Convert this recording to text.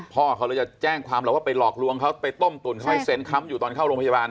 พ่อเขาเลยจะแจ้งความเราว่าไปหลอกลวงเขาไปต้มตุ๋นเขาให้เซ็นค้ำอยู่ตอนเข้าโรงพยาบาล